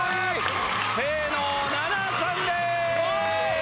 清野菜名さんです！